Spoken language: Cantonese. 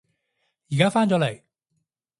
而家返咗嚟